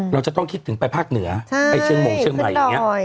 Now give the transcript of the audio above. เราจะต้องคิดถึงไปภาคเหนือไปเชียงมงเชียงใหม่อย่างนี้